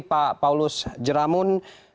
pak paulus jeramun